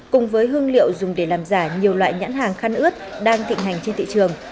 cùng với hương liệu dùng để làm giả nhiều loại nhãn hàng khăn ướt đang thịnh hành trên thị trường